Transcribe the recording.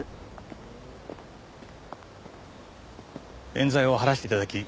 冤罪を晴らして頂き